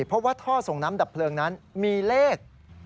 เพราะว่าท่อส่งน้ำดับเพลิงนั้นมีเลข